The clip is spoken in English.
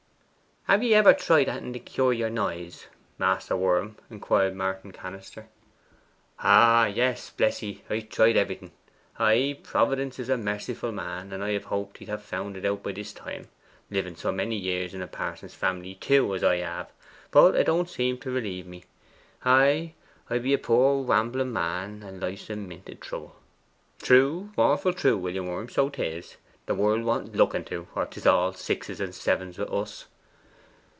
'Have ye ever tried anything to cure yer noise, Maister Worm?' inquired Martin Cannister. 'Oh ay; bless ye, I've tried everything. Ay, Providence is a merciful man, and I have hoped He'd have found it out by this time, living so many years in a parson's family, too, as I have, but 'a don't seem to relieve me. Ay, I be a poor wambling man, and life's a mint o' trouble!' 'True, mournful true, William Worm. 'Tis so. The world wants looking to, or 'tis all sixes and sevens wi' us.